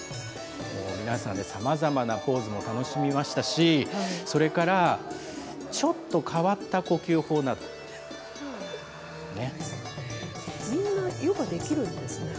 皆さん、さまざまなポーズも楽しみましたし、それから、ちょっとみんな、ヨガできるんですね。